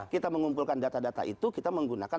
kita mengumpulkan data data itu kita menggunakan